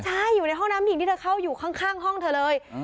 ใช่อยู่ในห้องน้ำหญิงที่เธอเข้าอยู่ข้างห้องเธอเลย